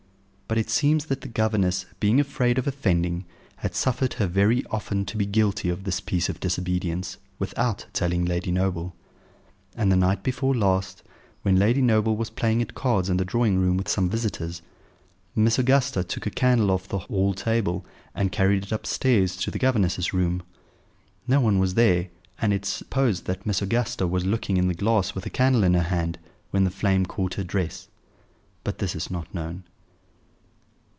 But it seems that the governess, being afraid of offending, had suffered her very often to be guilty of this piece of disobedience, without telling Lady Noble. And the night before last, when Lady Noble was playing at cards in the drawing room with some visitors, Miss Augusta took a candle off the hall table, and carried it upstairs to the governess's room. No one was there, and it is supposed that Miss Augusta was looking in the glass with a candle in her hand, when the flame caught her dress; but this is not known.